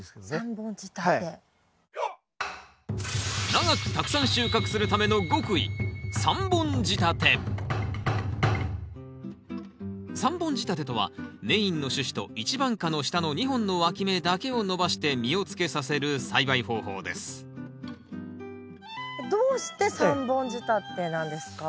長くたくさん収穫するための極意３本仕立てとはメインの主枝と一番花の下の２本のわき芽だけを伸ばして実をつけさせる栽培方法ですどうして３本仕立てなんですか？